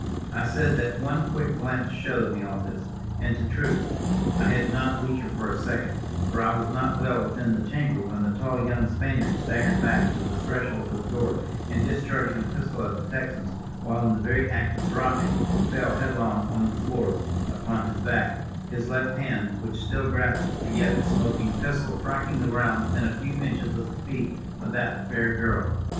"I said that one quick glance showed me all this, and, to truth, I had not leisure for a second, for I was not well within the chamber when a tall young Spaniard staggered back to the threshold of the door, and, discharging a pistol at the Texans while in the very act of dropping, fell headlong on the floor upon his back, his left hand, which still grasped the yet smoking pistol, striking the ground within a few inches of the feet of that fair girl.